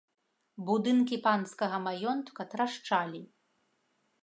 Будынкі панскага маёнтка трашчалі.